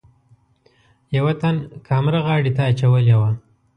یوه تن کامره غاړې ته اچولې وه.